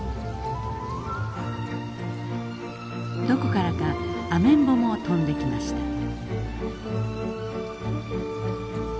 どこからかアメンボも飛んできました。